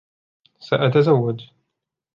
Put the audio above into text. سأتزوج